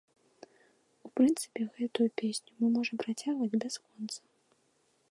У прынцыпе, гэтую песню мы можам працягваць бясконца.